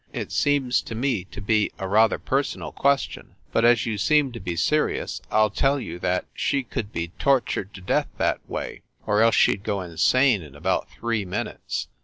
"It seems to me to be a rather personal question. But as you seem to be serious, I ll tell you that she could be tortured to death that way, or else she d go insane in about three minutes."